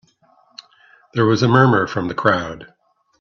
There was a murmur from the crowd.